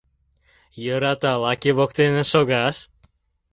Йӧрата лаке воктене шогаш!